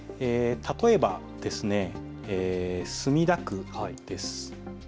例えば、墨田区です。